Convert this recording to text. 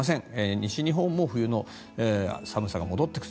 西日本も冬の寒さが戻ってきます。